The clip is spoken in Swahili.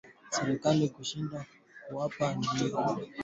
serikali kushindwa kuwalipa waagizaji wa mafuta ruzuku yao